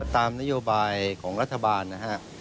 ตามนโยบายของรัฐบาลนะฮะ